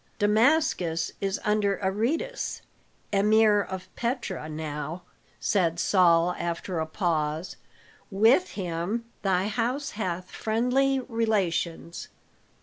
"Damascus is under Aretas, Emir of Petra, now," said Saul after a pause. "With him thy house hath friendly relations.